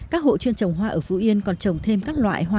các hộ chuyên trồng hoa ở phú yên còn trồng thêm các loại hoa